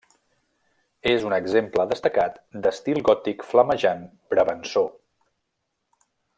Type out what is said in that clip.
És un exemple destacat d'estil gòtic flamejant brabançó.